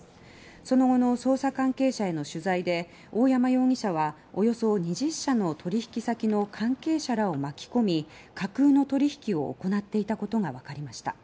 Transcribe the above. その後の捜査関係者への取材で大山容疑者はおよそ２０社の取引先の関係者らを巻き込み架空の取引を行っていたことがわかりました。